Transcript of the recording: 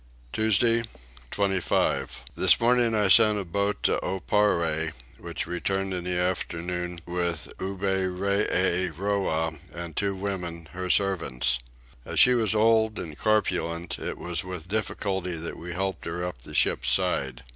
Tuesday 25. This morning I sent a boat to Oparre, which returned in the afternoon with Oberreeroah and two women, her servants. As she was old and corpulent it was with difficulty that we helped her up the ship's side.